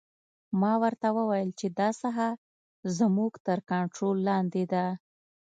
ما ورته وویل چې دا ساحه زموږ تر کنترول لاندې ده